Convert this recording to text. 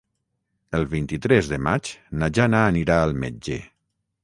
El vint-i-tres de maig na Jana anirà al metge.